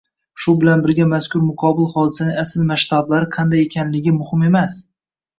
Shu bilan birga mazkur muqobil hodisaning asl masshtablari qanday ekanligi muhim emas